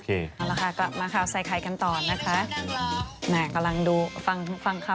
เอาละมาข่าวไซคายกันต่อนะคะ